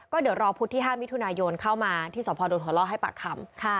ก็เดี๋ยวรอพุธที่๕มิถุนายนเข้ามาที่สพโดนหัวล่อให้ปากคำ